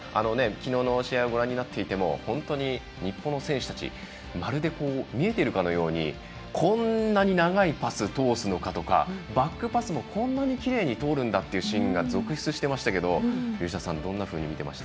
昨日の試合をご覧になっていても本当に日本選手たちまるで見えているかのようにこんなに長いパスを通すのかとかバックパスもこんなにきれいに通るんだというシーンが続出してましたけど吉田さんどんなふうに見てました？